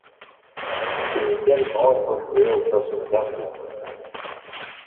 Il peut également évoluer au poste d'arrière.